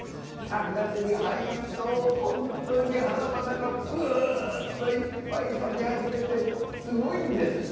３月に入ると、本当に花々がぷーっといっぱい咲き始めてすごいんです！